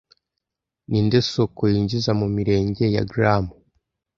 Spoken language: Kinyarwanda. Ninde soko yinjiza mumirenge ya Gram